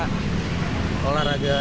alhamdulillah untuk aku saya juga